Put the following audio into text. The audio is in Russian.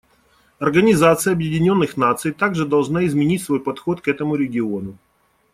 Организация Объединенных Наций также должна изменить свой подход к этому региону.